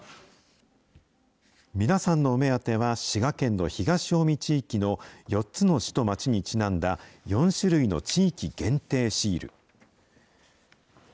皆さんのお目当ては、滋賀県の東おうみ地域の４つの市と町にちなんだ、４種類の地域限定シール。